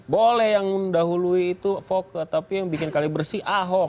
boleh yang mendahului itu foka tapi yang bikin kali bersih ahok